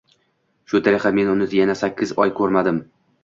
Shu tariqa men uni yana sakkiz oy ko‘rmadim.